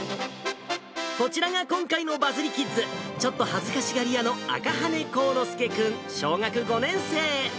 こちらが今回のバズリキッズ、ちょっと恥ずかしがり屋の赤羽幸之助君、小学５年生。